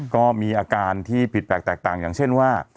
ก็มีอาการที่ผิดแปลกแตกต่างอย่างเช่นว่า